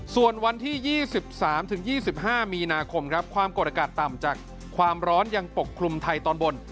ส่วนวันที่๒๓๒๕มีนาคมครับความกดอากาศต่ำจากความร้อนยังปกคลุมไทยตอนบน